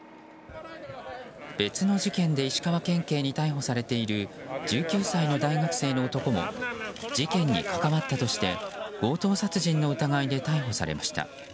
別の事件で石川県警に逮捕されている１９歳の大学生の男も事件に関わったとして強盗殺人の疑いで逮捕されました。